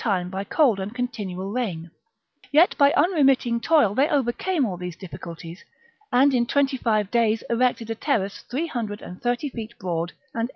time by cold and continual rain ; yet by unremit ting toil they overcame all these difficulties, and in twenty five days erected a terrace three hundred and thirty feet broad and eighty feet high.